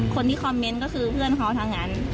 คนที่คอมเมนต์ก็คือเพื่อนเขาทั้งนั้น